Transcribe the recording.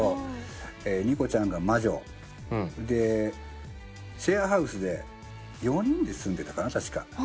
ニコちゃんが魔女。でシェアハウスで４人で住んでたかな確か。